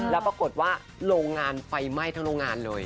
แล้วปรากฏว่าโรงงานไฟไหม้ทั้งโรงงานเลย